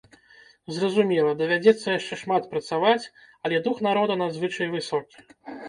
Зразумела, давядзецца яшчэ шмат працаваць, але дух народа надзвычай высокі.